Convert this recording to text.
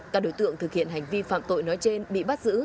các đối tượng thực hiện hành vi phạm tội nói trên bị bắt giữ